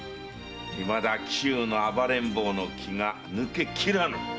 いまだ紀州の暴れん坊の気が抜けきらぬ！